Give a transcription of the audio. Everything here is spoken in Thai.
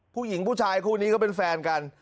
ผู้หญิงผู้ชายคู่นี้ก็เป็นแฟนกัน